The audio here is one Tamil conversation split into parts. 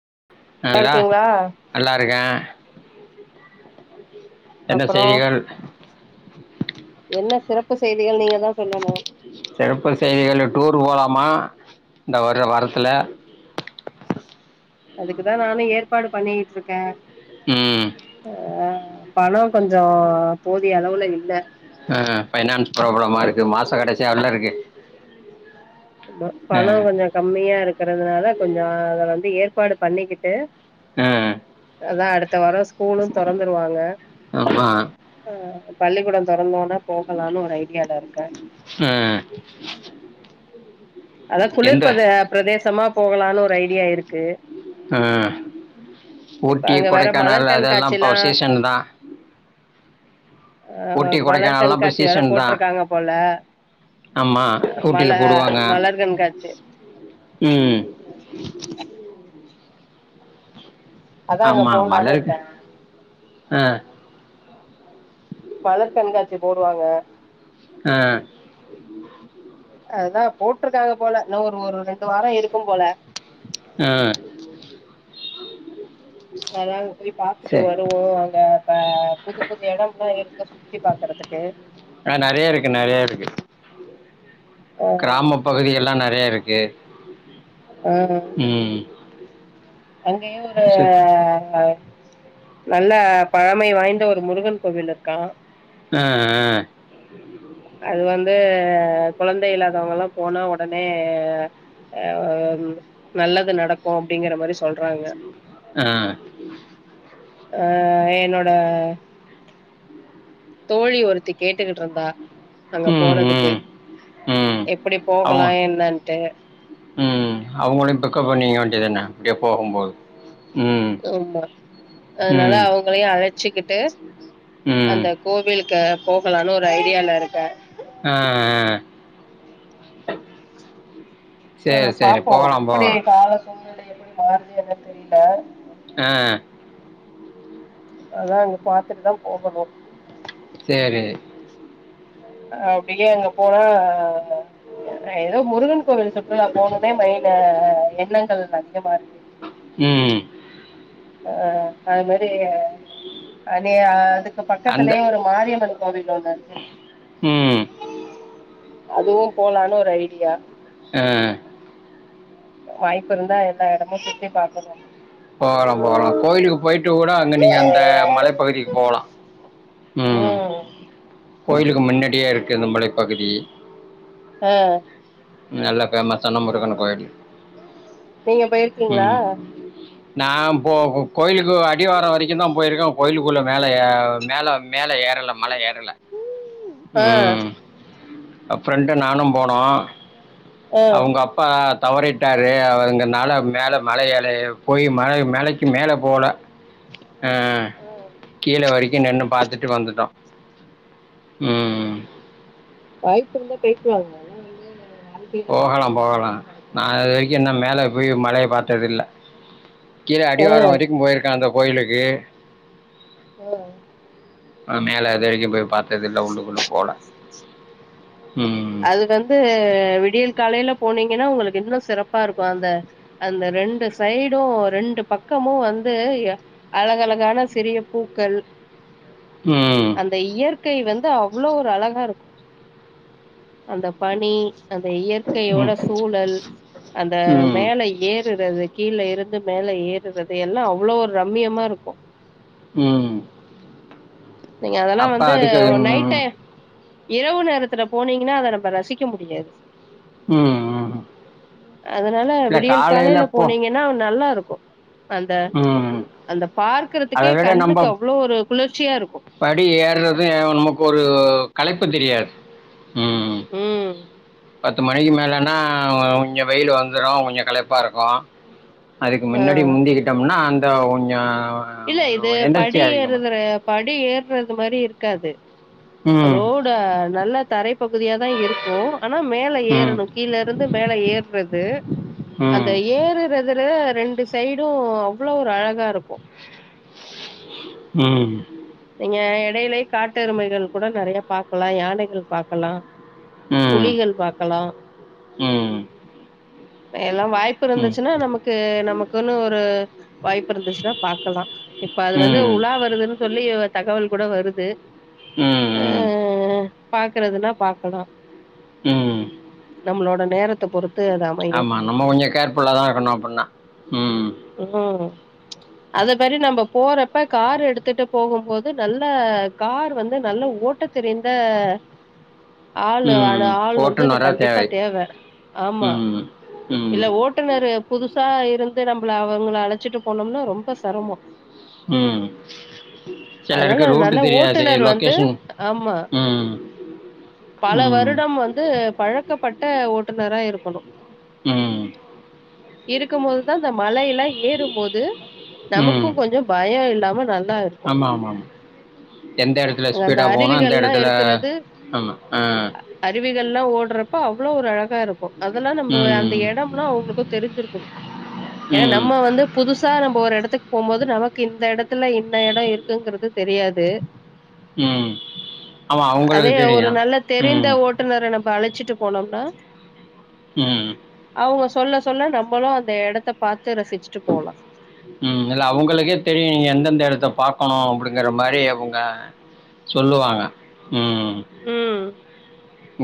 நல்லா நீங்களா இருக்கீங்ளா நல்லா இருக்கேன் என்ன அப்புறோ செய்திகள் என்ன சிறப்பு செய்திகள் நீங்க தா சொல்லணு சிறப்பு செய்திகள் டூர் போலாம் மா இந்த வர்ற வாரத்துல அதுக்குதா நானு ஏற்பாடு பண்ணிட்டு இருக்கே உம் பணம் கொஞ்சோ போதிய அளவுல இல்ல ஆ பைனான்ஸ் ப்ராப்ளமா இருக்கு மாச கடைசியா [unintelligible] இருக் கு ஆமா பணம் கொஞ்ச கம்மியா இருக் கிறதுனால கொஞ்ச அத வந்து ஏற் பாடு பண்ணிக்கிட்டு ஆஹ் அதா அடுத் த்த வார ஸ்கூலும் தொறந்துருவாங்க ஆமாம் பள்ளிக்கூடம் தொறந்தோன்ன போகலான்னு ஒரு ஐடியால இருக்கே ம் அத குளிர் எந்த பிரத-பிரதேசமா போகலான்னு ஒரு ஐடியா இருக்கு ஆ இப்ப ஊட்டி அங்க வேற மலர் கொடைக்கானல் அதெல்லாம் கண்காட்சிலா இப்ப சீசன் தா அஹ் மலர் இப்போ கண்காட்சி வேற சீசன் தான் போட்டிருக்காங்க போல ஆமாம் ஊட்டியில் போடுவாங்க மல-மலர் கண்காட்சி ம் அதான் அங்க போலானுருக்கேன் ஆஹ் மலர் கண்காட்சி போடுவாங்க ஆஹ் அதா போட்ருக்காங்க போல இன்னு ஒரு-ஒரு ரெண்டு வாரம் இருக்கும் போல ஆஹ் அதான் அங்க போய் பாத்துட்டு சரி வருவோ அங்க இப்ப புது புது எடம் எல்லாம் இருக்கு சுத்தி பாக்குறதுக்கு ஆ நிறைய ஆ கிராமப்பகுதியல்லா நெறைய இருக் கே ஆ அங்கே ஒரு சரி. அ நல்ல பழமை வாய்ந்த ஒரு முருகன் கோவில் இருக்கா உஹம் உஹம் அது வந்து கொழந்தை இல்லாதவங்கல்லா போனா உடனே அஹ் நல்லது நடக்கு அப்டிங்கிற மாரி சொல்றாங்க ஆஹ் அஹ் என்னோட தோழி ஒருத்தி கேட்டுகிட்டுடிருந்தா அங்க ம், போறதுக்கு ம், ம். எப்டி போகலா அவங்க என்னான்ட்டு இது என்ன அப்புடியே போகும்போது ம், ஆமா அதனால ம், அவங்களையும் அழைச்சிக்கிட்டு ம். அந்த கோவிலுக் ங்க போகலான்னு ஒரு ஐடியால இருக்கே ஆ ஆ சரி, ஆஹ் சரி. பாப்போம் போகலாம், எப்புடி போகலாம். கால சூழ்நிலை எப்பிடி மாறுது என்னன்னு தெரியல ஆஹ் அதான் அங்க பாத்துட்டுதா போகணும் சரி. அப்டியே அங்க போனா ஏதோ முருகன் கோவில் சுற்றுலா போனதே மைல எண்ணங்கள் அதிகமா இருக்கு உஹம் அஹ் அது மாரி நீ அது இங்க அந்த பக்கத்திலேயே ஒரு மாரியம்மர் தாதி இருக்கு ம். அதுவும் போலான ஒரு ஐ ய்யா உஹம் வாய்ப்பு இருந்தா எல்லா இடமு சுத்தி பாக்கணும் போகலா போகலா கோயிலுக்கு போயிட்டு விட்டு கூட அங்க நீங்க அந்த மலைப்பகுதிக்கு போகலா உஹம் ம் கோயிலுக்கு முன்னாடியே இருக்கு இந்த மலை பகுதி ஆஹ் நல்ல பேமஸ்ஸானாமுருகன் கோயில் நீங்க போய்ர்க்கீங்களா நா போக கோயிலுக்கு அடிவாரம் வரைக்கு தான் போயிருக்கோம் கோயிலுக்குள்ள மேல ஏ மேல மேல ஏ இல்ல மழ ஏறல ஆ ம் அ ஃப்ரெண்டு நானும் போனோம் ஆ அவங்க அப்பா தவறிட்டாரு அவங்கனால மேல மலையல போய் மலை மலைக்கு மேல போல அ [inaudible] கீழ வரைக்கு நின்னு பாத்துட்டு வந்துட்டோம் ம் வாய்ப்பு இருந்தா போயிட்டு வாங்க அதெல்லாம் [inaudible] போகலாம் போகலாம் நான் அதுவரைக்கும் என மேல பேய் மழய பாத்ததில்ல கீழ ஆ அடிவாரம் வரைக்கும் போயிருக்கான் அந்த கோயிலுக்கு உஹ [inaudible] மேல அதுவரைக்கும் போய் பாத் நேத்து டவுன் குள்ள போல ம் அது வந்து விடியல் காலையில போனீங்கன்னா உங்களுக்கு இன்னும் சிறப்பா இருக்கும் அந்த அந்த ரெண்டு சைடும் ரெண்டு பக்கமும் வந்து அழகழகான சிறிய பூக்கள் ம் அந்த இயற் இ்யற்கை வந்து அவ்ளோ ஒரு அழகா இருக்கு அந்த பனி அந்த ம் இயற்கையோட சூழல் அந்த ம் மேல ஏறுறது கீழ இரு வந்து மேல ஏறுறது எல்லாம் அவ்வளவு ஒரு ரம்மியமா இருக்கும் ம் நீங்க அதெல்லாம் அப்போ வந்து அதுக்கு நைட்டு ம் டைம் இரவு நேரத்துல போனீங்கன்னா அதை நம்ம ரசிக்க முடியாது உம் உம் அதனால விடியல் காலையில போனீங்கன்னா நல்லா இருக்கும் அந்த ம் அந்த அதை பாக்கறதுக்கே விட நம்ம கண்ணுக்கு அவ்ளோ ஒரு குளர்ச்சியா இரு படி ஏர்றதும் உமக்கு ஒரு கலைப்பு தெரியாது ம் உம் பத்து மணிக்கு மேலனா கொஞ்ச வெயில் வந்துடும் கொஞ்சம் கலைப்பா இருக்கும் அதுக்கு ஆ மின்னாடி முந்திக்கிட்டோம்னா அந்- த ஒன் ஞ இல்ல இது படி ஏறுது படி ஏறுறது இது மாதிரி இருக்காது ம் ரோட நல்ல தரைப்பகுதியா தா இருக்கு ஆனா மேல ம் ஏறணும் கீழருந்து மேல ஏற்றது அந்த ம் ஏறுறதுற ரெண்டு சைடு அவ்ளோ ஒரு அழகா இருக்கும் உம் ங்க எடையிலே காட்டுருமைகள் கூட நறயா பாக்கலா யானைகள் பாக்கலா புலிகள் பாக்கலம் ம் எல்லா ம் வாய்ப்புருந்துச்சுன்னா நமக்கு நமக்குன்னு ஒரு வாய்ப்புருந்துச்சுன்னா பாக்கலா இப்ப ம் அதுறந்து ம் உலா வருதுன் சொல்லி தகவல் கூட வருது ஹம் ஆ ம் பாக்குறதுன்னா பாக்கலா உம் அம்ளோட நேரத்த பொறுத்து அ ஆமா நம்ம ஒஞ்ச கேர்புல்லாதா இருணும் அப்புன்னா உம் உஹம் அத பரி நம்ப போறப்ப கார் எடுத்துட்டு போகும்போது நல்ல கார் வந்து நல்ல ஓட்ட தெரிந்த ஆள் அட ம் ஆள் வந்துனு ஓட்டுநராக கண்டிப்பா தேவை தேவ ஆமா ம் ம் இல்ல ஓட்டுநரு புதுசா இருந்து நம் நா அவங்கள அழச்சிட்டு போனும்னா ரொம்ப செரம்ம ம் அதனல சிலருக்கு ரூட்டு நல்ல தெரியாது ஓட்டுநர் வந்து லொக்கேஷன் ஆமா ம் பல ம் வருடம் வந்து பழக்கப்பட்ட ஓட்டுநரா இரு [inaudible] உம் இருக்கும்போதுதான் ந்தமழயில் லஏறும்போது நமக்கு கொஞ்ச பயம் இல் நமநால் ஆம்மா ஆம்மா ஆமா எந்த எடத்துல அங்க அந்த ஸ்பீடா போனா அந்த அருவிகள்லா எடத்துல இருக்கிறது அம்மா ஆஹ் ப்பா அவ்ளோ ஒரு அழ தருக்கு அதல்லா நம்பவ அந்த ம் இடம்னா உங்களுக்கு தெரிஞ்சுருக்கணு ஏன் ம் நம்ம வந்து புதுசா நம்ப ஓர எடத்துக் போம்போது நமக்கு இந்த எடத்துல இன்ன இட இருக்குங்குறது தெரியாது ம் ஆமாம் அவங்களுக்கு அதே ஒரு தெரியும் நல்ல தெரிந்த ம் ஓட்டுநர நம் ப்பஅழச்சுட்டு போனோம்னா உஹம் அவுங்க சொல்ல சொல்ல நம்மளு அந்த இடத் த்தபாத் உம் இல்ல அவங்களுக்கே தெரியும் நீங்க எந்தெந்த இடத்த பா [unintelligible] அப்டிங்கற மாரி அவங்க சொல்லுவாங்க உம் ம்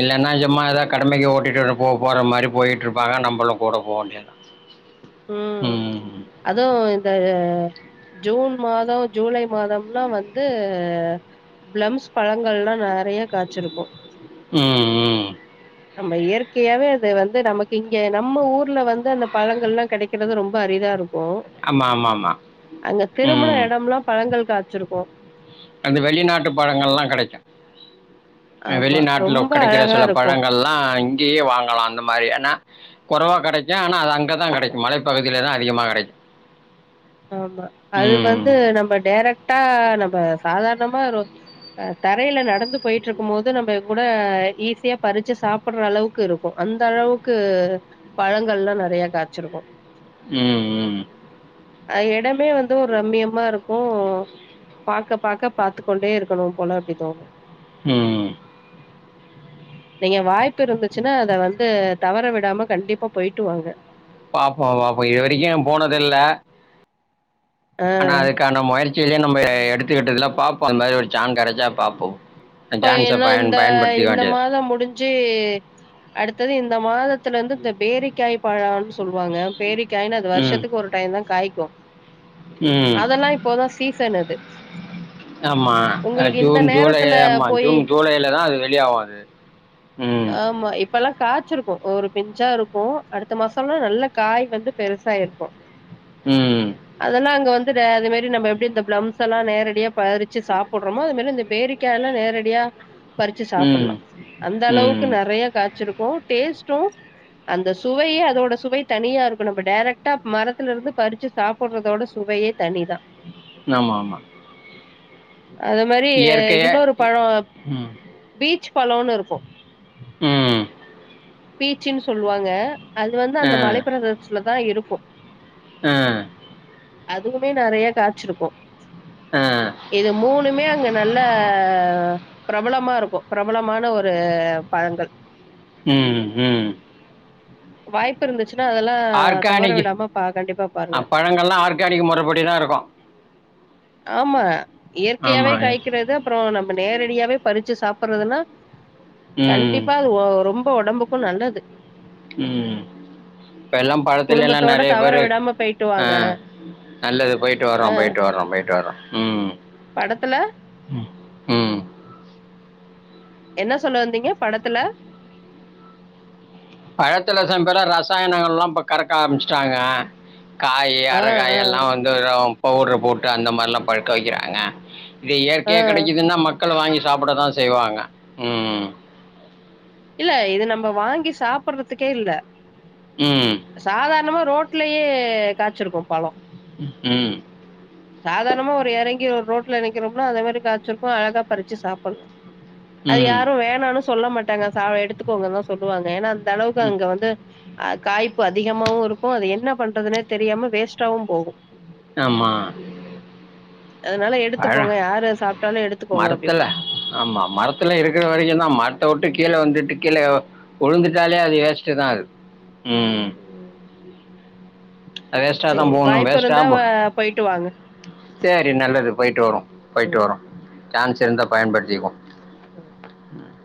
இல்லைன்ன சம்மா ஏதாவ கடமைக்கு ஓட்டிட்டு போ போற மாரி போயிட்ருப்பாங்க நம்மளும் கூட போ வேண்டியது உம் அதுவு இந்த ஜூன் மாதோ ஜூலை மாதம்லா வந்து பிளம்ஸ் பழங்கள்லா நெறைய காய்ச்சிருக்கும் உம் உம் நம்ம இயற்கையாவே அது வந்து நமக்கு இங்க நம்ம ஊர்ல வந்து அந்த பழங்கள்லா கெடைக்கிறது ரொம்ப அரிதா இருக் க்கும் ஆமா, ஆமா, ஆமா. அங்க திரும்புன ம். எடம்லா பழங்கள் காச்சிருக்கோம் அந்த வெளிநாட்டு பழங்கள்ல்லாம் கிடைக்கும் ஆ ஆமா வெளிநாட்ல ரொம்ப கிடைக்கிற அழகா சில இருக்கு பழங்கள்லா இங்கயே வாங்கலான்னு ந்த மாரி ஆனா குறவா கெடைக்கும் ஆனா அது அங்கதான் கெடைக்கும் மலைப்பகுதியில தான் அதிகமா கெடைக்கும் ஆமா அது வந்து நம்ம டைரக்டா நம்ம சாதாரணமா ஒரு ஹ் தரையில நடந்து போயிட்டு இருக்கும் போது நம்ம கூட ஈஸியா பறிச்சு சாப்பிடுற அளவுக்கு இருக்கும் அந்த அளவுக்கு பழங்கள் எல்லாம் நிறைய காய்ச்சிருக்கும் உம் உம் அஹ் இடமே வந்து ஒரு ரம்மியமா இருக்கும் பாக்க பாக்க பாத்து கொண்டே இருக்கணும் போல அப்படி தோணும் உம் நீங்க வாய்ப்பு இருந்துச்சுன்னா அத வந்து தவற விடாம கண்டிப்பா போயிட்டு வாங்க பாப்போ பாப்போ இதுவரைக்கும் போனதுல்ல ஆ ஆனா அதுக்கான முயற்சியிலயு நம்ம எடுத்துக்கிட்டதுல பார்போம் அந்த ஒரு சான் கெடச்சா பாப்போம் இப்ப என்ன இந்த இந்த மாதம் முடிஞ்சு அடுத்தது இந்த மாதத் த்துல இருந்து இந்த பேரிக்காய் பழோன்னு சொல்வாங்க பேரிக் [unintelligible] ம் வருஷத்துக்கு ஒரு டைம் தான் காய்க் க்கு ம் அதெல்லா இப்போதா சீசன் அது ஆமா ஆ உங்களுக்கு இந்த ஜூன் ஜூலை நேரத்துல ஆமா போய் ஜூன் ஜூலைலதா அது வெளியாவு அது ம் ஆமா இப்பெல்லாம் காய்சிருக்கும் ஒரு பிஞ்சா இருக்கும் அடுத்த மாசம்லாம் நல்ல காய் வந்து பெருசாயிருக்கும் ம் அதெல்லா அங்க வந் க்கிற அது மாரி நம்ம எப்டி இந்த பிளம்ஸ் எல்லா நேரடியா பறிச்சு சாப்பிடுறோமோ அது மாரி இந்த பேரிக்கா எல்லா நேரடியா பறிச்சு ம் சாப்பிடலாம் அந்த அளவு க்கு ம் நறிய கா வெச்சியிருக்கோ டேஸ்ட்டும் அந்த சுவையே அதோட சுவை தனியா இருக்கனும் இப்போ டேரக்டா மரத்தல இருந்து பறிச்சு சாப்பிடுறதோட சுவையே தனிதான் நாமமா அது மாரி இன்னொரு பழம் ம் பீச் பழனோம்னு இருக்கும் உம் பிச்சினு சொல்லுவாங்க அது வந்து ஆ அந்த மலைப்பிரதேசல [inaudible] இருக்கும் [inaudible] அதுவுமே நேரிய காய்ச்சியிருக்கும் ஆ இது மூணுமே அங்க நல்லா ஹா.... பிரபலமா இருக்கும் பிரபலமான ஒரு பழங்கள் ம் ம் வாய்ப்பு இருந்துச்சு ஆர்கானிக் ஆ பாருங்க பழங்கள்லாம் ஆர்கானிக் முறைப்படி தான் இருக்கும் ஆமா ஆமா. இயற்கையாவே காய்கறதா அப்புறம் நம்ம நேரடியாவே பறிச்சு சாப்பிடறதுன்னா ம். கண்டிப்பா அது ரொம் ரொம்ப ஒடம்புக்கும் நல்லது உம் இப்ப எல்லாம் படத்திலேலாம் குடும்பத்தோட நிறைய தவற பேரு விடாம போயிட்டு வாங்க ஆஹ் நல்லது போயிட்டு அ வரோம் போயிட்டு வரோம் போயிட்டு வரோம் ம் படத்துல ம். என்ன சொல்ல வந்தீங்க படத்துல பழத்துல சம்பேருல ரசாயனங்கலாம் இப்ப கறக்க ஆரம்பிச்சுட்டாங்க காய் ஆ அரகாய் ஆ எல்லாம் வந்துரும் பவுடர் போட்டு அந்த மாரிலாம் பழுக்க வைக்கிறாங்க இது ஆ இயற்கையாக கிடைக்குதுன்னா மக் மக்கள் வாங்கி சாப்பிட தான் செய்வாங்க ம்ம் இல்ல இது நம்ம வாங்கி சாப்படுறதுக்கே இல்ல ம். சாதாரணமா ரோட்லயே காய்ச்சியிருக்கோம் பழம் ம் சாதாரணமா ஒரு இறங்கி ஒரு ரோட்டுல நிக்கிறோம்னா அதேமாரி காய்ச்சியிருக்கும் அழகா பறிச்சு சாப்பிடலாம் அது ம். யாரும் வேணான்னு சொல்ல மாட்டாங்க சாவே எடுத்துக்கங்க தான் சொல்லுவாங்க ஏன்னா அந்த அந்த அளவுக்கு ம். அங்க வந்து அஹ் காய்ப்பு அதிகமாவும் இருக்கும் அது என்ன பண்றதுன்னே தெரியாம வேஸ்ட்டாவும் போகும் ஆமா அதனால பழோ எடுத்துக்கோங்க யாரு சாப்ட்டாலு எடுத்துக்கோங்க மரத்துல அப்டிம்பாங்க ஆமா மரத்துல இருக்கிற வரைக்கும்தா மர த்த விட்டு கீழே வந்துட்டு கீழே உழுந்துட்டாலே அது வேஸ்ட்தா அது உம் ம் வேஸ்டாதா சேரி போகணு வாய்ப்பு வேஸ்டா இருந்தா ஏன் வ போ போயிட்டு வாங்க சேரி நல்லது போயிட்டு வருவோ போயிட்டு ம் வருவோ சான்ஸ் இருந்தா பயன்படுத்திக்குவோ ம் [inaudible]